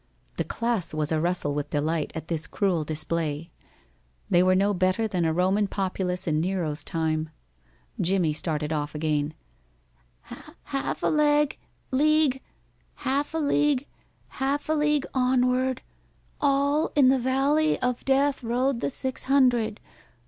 The class was arustle with delight at this cruel display. They were no better than a Roman populace in Nero's time. Jimmie started off again: "Half a leg league, half a league, half a league onward. All in the valley of death rode the six hundred.